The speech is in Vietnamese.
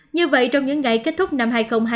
như vậy trong những ngày kết thúc năm hai nghìn hai mươi